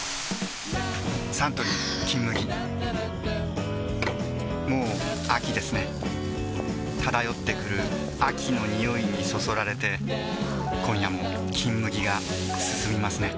サントリー「金麦」もう秋ですね漂ってくる秋の匂いにそそられて今夜も「金麦」がすすみますね